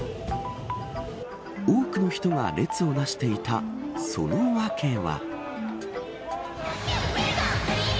多くの人が列をなしていたその訳は。